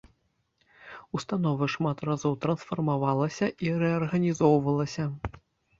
Установа шмат разоў трансфармавалася і рэарганізоўвалася.